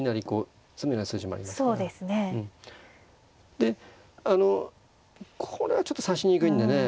でこれはちょっと指しにくいんでね。